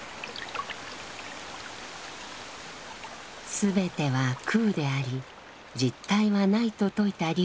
「すべては空であり実体はない」と説いた龍樹。